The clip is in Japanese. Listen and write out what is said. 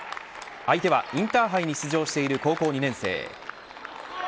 相手はインターハイに出場している高校２年生。